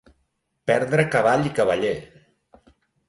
Perdre cavall i cavaller.